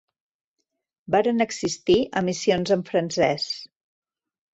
Varen existir emissions en francés.